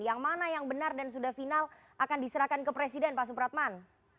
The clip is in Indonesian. yang mana yang benar dan sudah final akan diserahkan ke presiden pak supratman